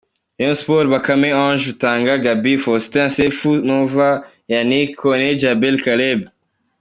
Rayon Sports: Bakame, Ange, Rutanga, Gaby, Faustin, Sefu, Nova, Yannick, Kone, Djabel, Caleb.